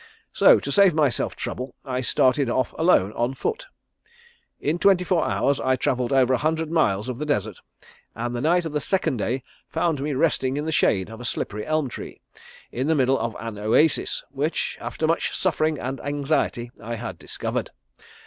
So to save myself trouble I started off alone on foot. In twenty four hours I travelled over a hundred miles of the desert, and the night of the second day found me resting in the shade of a slippery elm tree in the middle of an oasis, which after much suffering and anxiety I had discovered.